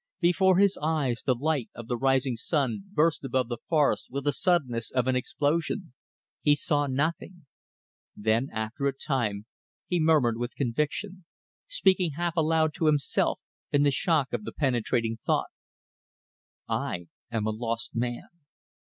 Before his eyes the light of the rising sun burst above the forest with the suddenness of an explosion. He saw nothing. Then, after a time, he murmured with conviction speaking half aloud to himself in the shock of the penetrating thought: "I am a lost man."